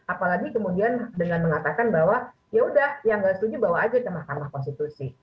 apalagi kemudian dengan mengatakan bahwa ya udah yang nggak setuju bawa aja ke mahkamah konstitusi